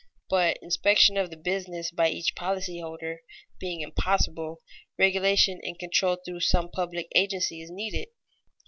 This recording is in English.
But inspection of the business by each policy holder being impossible, regulation and control through some public agency is needed.